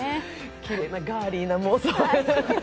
きれいなガーリーな妄想。